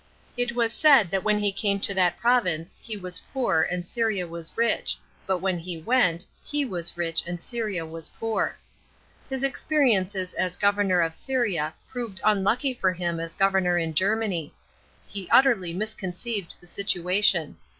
It was said that when he came to that province he was poor and Syria was rich ; but when he went, he was rich and Syria was poor. His experiences as governor of . yria proved unlucky for him as governor in Germany. He utterly misconceived the situation.